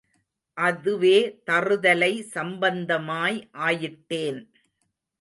அதுவே தறுதலை சம்பந்தமாய் ஆயிட்டேன்.